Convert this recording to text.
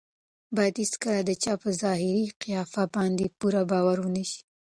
باید هېڅکله د چا په ظاهري قیافه باندې پوره باور ونه شي.